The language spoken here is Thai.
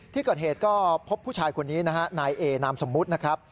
ที่เกิดเหตุก็พบผู้ชายคนนี้นะฮะนายเอนามสมมุตินะครับ